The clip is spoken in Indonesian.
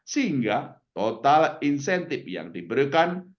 sehingga total insentif yang diberikan